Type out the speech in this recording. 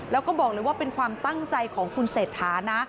แล้วก็บอกเลยว่าเป็นความตั้งใจของคุณเศรษฐานะ